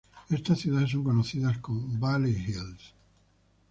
Estas ciudades son conocidas como Valley Hills.